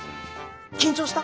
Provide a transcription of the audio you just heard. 緊張した？